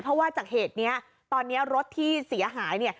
เพราะว่าจากเหตุนี้ตอนนี้รถที่เสียหายเนี่ย